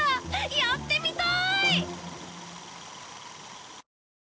やってみたい！